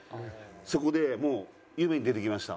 そこでもう夢に出てきました。